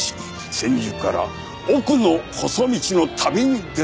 千住から奥の細道の旅に出たとされている。